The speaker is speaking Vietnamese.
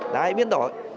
đã bị biến đổi